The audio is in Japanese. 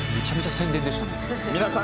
皆さん